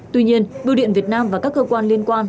tuy nhiên bưu điện việt nam và các cơ quan liên quan